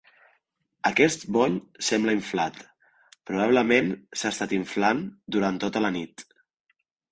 Aquest bony sembla inflat. Probablement s'ha estat inflant durant tota la nit.